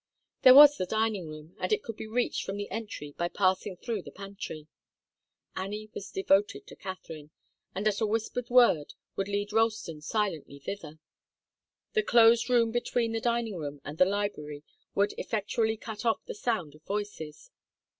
There was the dining room, and it could be reached from the entry by passing through the pantry. Annie was devoted to Katharine, and at a whispered word would lead Ralston silently thither. The closed room between the dining room and the library would effectually cut off the sound of voices.